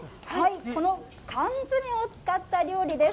この缶詰を使った料理です。